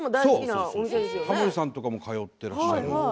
タモリさんとかも通ってらっしゃって。